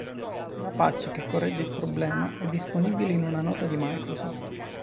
Una patch che corregge il problema è disponibile in una nota di Microsoft.